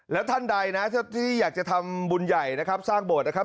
แล้วท่านใดนะที่อยากจะทำบุญใหญ่นะครับสร้างโบสถ์นะครับ